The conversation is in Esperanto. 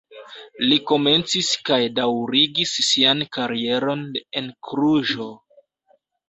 Li komencis kaj daŭrigis sian karieron en Kluĵo.